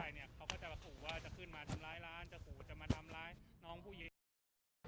เขาก็จะขอว่าจะขึ้นมาทำร้ายร้านจะขอว่าจะมาทำร้ายน้องผู้เย็น